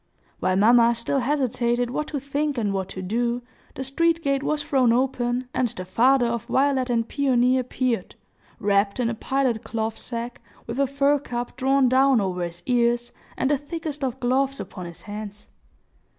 While mamma still hesitated what to think and what to do, the street gate was thrown open, and the father of Violet and Peony appeared, wrapped in a pilot cloth sack, with a fur cap drawn down over his ears, and the thickest of gloves upon his hands.